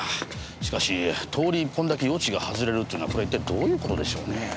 しかし通り一本だけ予知が外れるっていうのはこれは一体どういう事でしょうねえ？